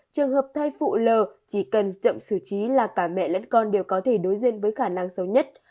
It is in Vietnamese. trường hợp thay phụ lờ chỉ cần chậm xử trí là cả mẹ lẫn con đều có thể đối diện với khả năng xấu nhất